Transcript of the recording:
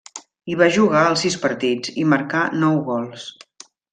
Hi va jugar els sis partits, i marcà nou gols.